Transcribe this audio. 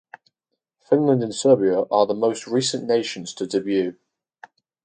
Finland and Serbia are the most recent nations to debut.